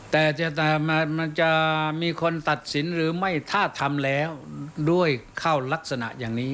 แต่มันจะมีคนตัดสินหรือไม่ถ้าทำแล้วด้วยเข้ารักษณะอย่างนี้